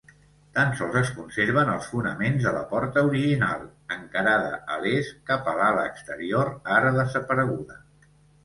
Tan sols es conserven els fonaments de la porta original, encarada a l'est cap a l'ala exterior ara desapareguda.